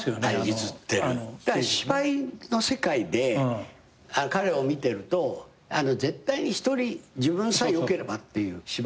だから芝居の世界で彼を見てると絶対に自分さえよければっていう芝居あんまりやらない。